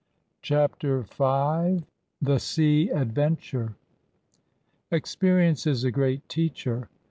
^..*. CHAPTER V THE "sea ADVENTUBB ExPEBUiNCB is a great teacher.